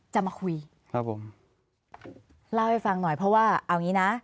จะแซงรถอื่นใช่ไหม